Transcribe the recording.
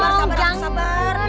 jangan sabaran sabaran